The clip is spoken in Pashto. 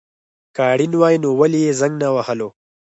که اړين وای نو ولي يي زنګ نه وهلو